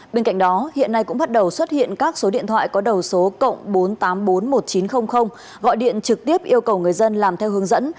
bên cạnh đó hiện nay cũng bắt đầu xuất hiện các số điện thoại có đầu số cộng bốn trăm tám mươi bốn một nghìn chín trăm linh gọi điện trực tiếp yêu cầu người dân làm theo hướng dẫn